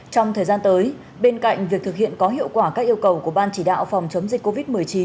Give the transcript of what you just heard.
trong thời gian tới bên cạnh việc thực hiện có hiệu quả các yêu cầu của ban chỉ đạo phòng chống dịch covid một mươi chín